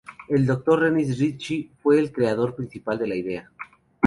El Dr. Dennis Ritchie fue el creador principal de la idea.